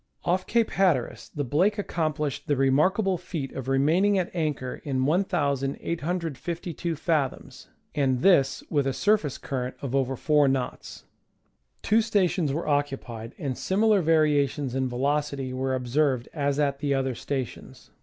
Off Cape Hatteras the Blake accomplished the remarkable feat of remaining at anchor in 1,852 fathoms, and this with a surface cui rent of over 4 knots. Two stations were occupied, and similar variations in velocity were observed as at the other stations.